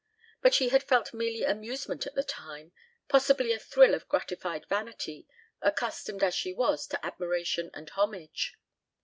But she had felt merely amusement at the time, possibly a thrill of gratified vanity, accustomed as she was to admiration and homage.